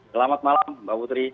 selamat malam mbak putri